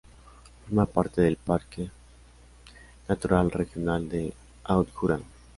Forma parte del parque natural regional del Haut-Jura.